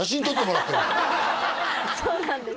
そうなんです